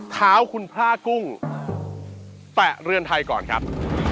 เท้าคุณพ่ากุ้งแตะเรือนไทยก่อนครับ